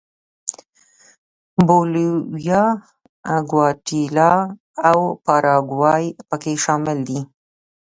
بولیویا، ګواتیلا او پاراګوای په کې شامل دي.